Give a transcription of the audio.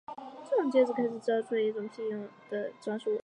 这种戒指最开始造出来时是一种辟邪用的装饰物。